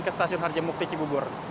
ke stasiun harjamukti cibubur